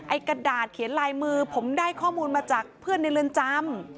กระดาษเขียนลายมือผมได้ข้อมูลมาจากเพื่อนในเรือนจำ